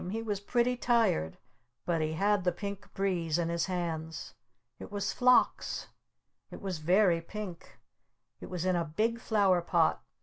He was pretty tired. But he had the Pink Breeze in his hands. It was Phlox! It was very pink! It was in a big flower pot!